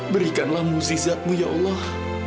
berikanlah muzizatmu ya allah